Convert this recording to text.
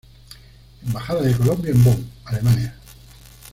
Embajada de Colombia en Bonn, Alemania.